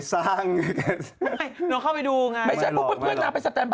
มันจะอยู่แบบ